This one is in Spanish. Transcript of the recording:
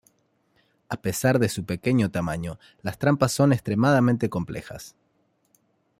A pesar de su pequeño tamaño, las trampas son extremadamente complejas.